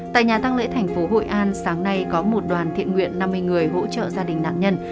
tại nhà tăng lễ thành phố hội an sáng nay có một đoàn thiện nguyện năm mươi người hỗ trợ gia đình nạn nhân